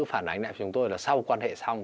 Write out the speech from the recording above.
phản ánh lại chúng tôi là sau quan hệ xong